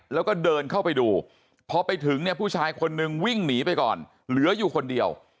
แล้วก็เดินเข้าไปดูพอไปถึงเนี่ยผู้ชายคนนึงวิ่งหนีไปก่อนเหลืออยู่คนเดียว